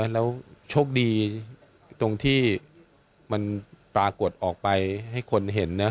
แล้วโชคดีตรงที่มันปรากฏออกไปให้คนเห็นนะ